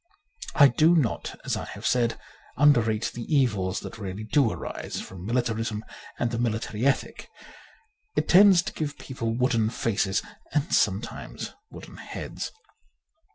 I do not, as I have said, underrate the evils that really do arise from mili tarism and the military ethic. It tends to give people wooden faces and sometimes wooden heads.